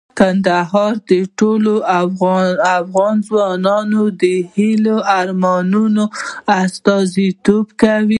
کندهار د ټولو افغان ځوانانو د هیلو او ارمانونو استازیتوب کوي.